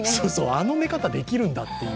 あの寝方、できるんだっていう。